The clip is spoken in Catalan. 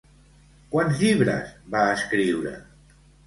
Quants llibres va escriure?